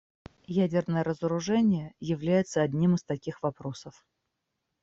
Ядерное разоружение является одним из таких вопросов.